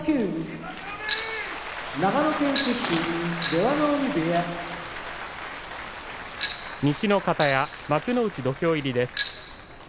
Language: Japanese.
出羽海部屋西の方屋幕内土俵入りです。